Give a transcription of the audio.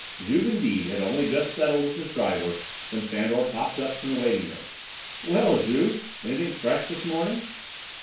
Juve, indeed, had only just settled with his driver when Fandor popped up from the waiting room. "Well, Juve! Anything fresh this morning?"